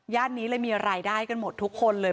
นี้เลยมีรายได้กันหมดทุกคนเลย